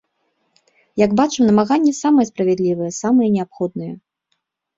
Як бачым, намаганні самыя справядлівыя, самыя неабходныя.